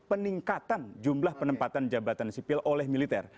peningkatan jumlah penempatan jabatan sipil oleh militer